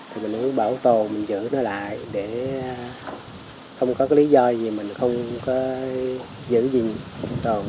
thì mình muốn bảo tồn mình giữ nó lại để không có cái lý do gì mình không có giữ gì tồn